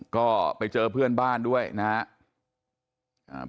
ก็ไปเจอเพื่อนบ้านด้วยนะครับ